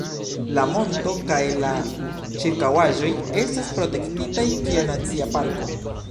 La monto kaj la ĉirkaŭaĵoj estas protektitaj kiel Nacia Parko.